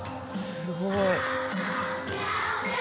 すごい。